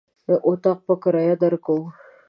اطاق په کرايه درکوو.